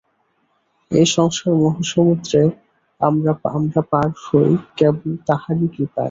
এই সংসার-মহাসমুদ্র আমরা পার হই কেবল তাঁহারই কৃপায়।